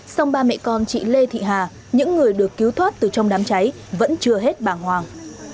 xong ba mẹ con chị lê thị hà những người được cứu thoát từ trong đám cháy vẫn chưa hết bàng hoàng